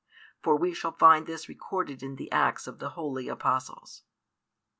For we shall find this recorded in the Acts of the holy Apostles.